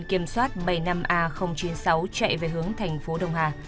cầm xoát bảy mươi năm a chín mươi sáu chạy về hướng thành phố đông hà